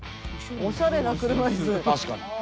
おしゃれな車いす。